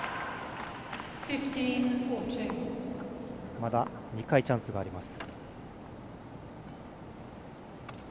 まだ２回チャンスがあります。